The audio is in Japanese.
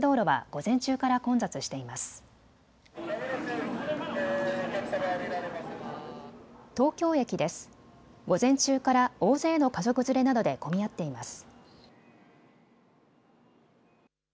午前中から大勢の家族連れなどで混み合っています。